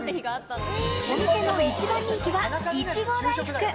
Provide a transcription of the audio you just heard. お店の一番人気は、いちご大福。